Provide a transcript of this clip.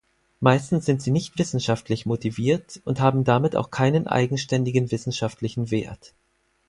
Meistens sind sie nicht wissenschaftlich motiviert und haben damit auch keinen eigenständigen wissenschaftlichen Wert.